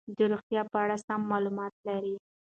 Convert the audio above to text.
د روغتیا په اړه سم معلومات لري.